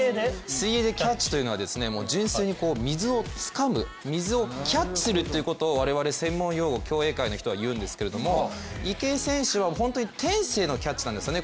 水泳でキャッチというのは、純粋に水をつかむ、水をキャッチするということを、専門用語、我々競泳界の人は言うんですけど池江選手は本当に天性のキャッチなんですね。